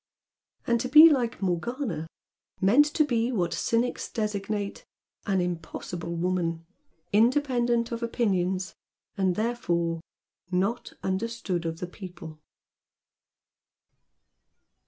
And to be like Morgana, meant to be like what cynics designate "an impossible woman," independent of opinions and therefore "not understood of the people."